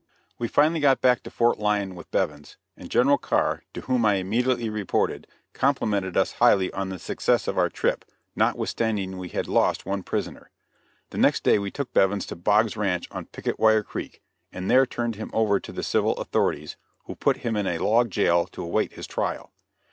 We finally got back to Fort Lyon with Bevins, and General Carr, to whom I immediately reported, complimented us highly on the success of our trip, notwithstanding we had lost one prisoner. The next day we took Bevins to Boggs' ranch on Picket Wire Creek, and there turned him over to the civil authorities, who put him in a log jail to await his trial.